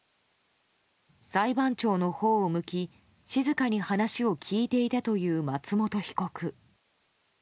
裁判長のほうを向き静かに話を聞いていたという松本被告。